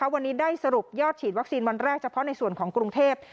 วันนี้ได้สรุปยอดฉีดวัคซีนวันแรกเฉพาะในส่วนของกรุงเทพ